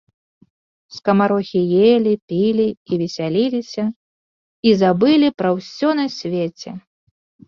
Скамарохі елі, пілі і весяліліся і забылі пра ўсё на свеце.